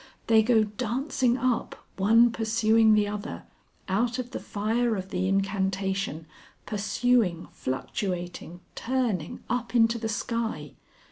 They go dancing up, one pursuing the other, out of the fire of the incantation, pursuing, fluctuating, turning, up into the sky.